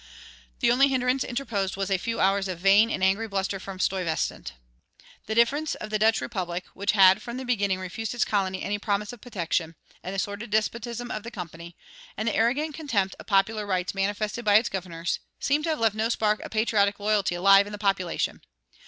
The only hindrance interposed was a few hours of vain and angry bluster from Stuyvesant. The indifference of the Dutch republic, which had from the beginning refused its colony any promise of protection, and the sordid despotism of the Company, and the arrogant contempt of popular rights manifested by its governors, seem to have left no spark of patriotic loyalty alive in the population.